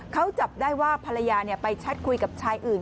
เขาจับได้ว่าภรรยาไปแชทคุยกับชายอื่น